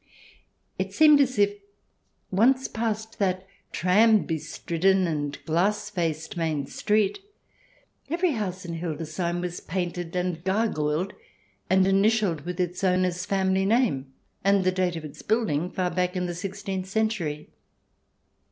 It seemed as if, once past that tram bestridden and glass faced main street, every house in Hildesheim was painted and gargoyled and initialled with its owner's family name and the date of its building, far back in the sixteenth century.